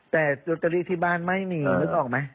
แต่ลอตเตอรี่ที่บ้านไม่มีนึกออกไหม